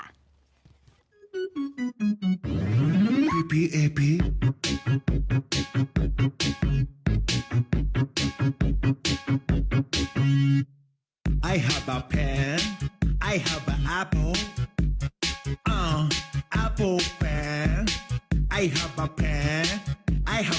อัพโวะแปบไอ่ฮับภพแปดไอ๊โฮปันะโภ